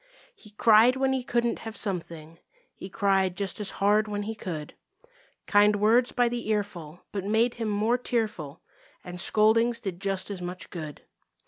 He cried when he couldn't have something; He cried just as hard when he could; Kind words by the earful but made him more tearful, And scoldings did just as much good.